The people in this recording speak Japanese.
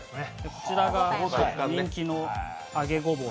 こちらが人気の揚げごぼう。